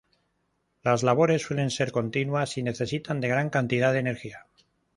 Las labores suelen ser continuas y necesitan de gran cantidad de energía.